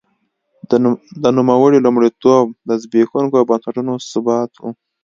د نوموړي لومړیتوب د زبېښونکو بنسټونو ثبات و.